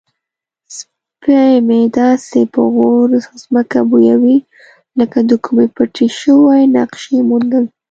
سپی مې داسې په غور ځمکه بویوي لکه د کومې پټې شوې نقشې موندل.